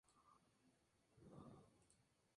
La trompa está formada por un tubo estrecho y largo.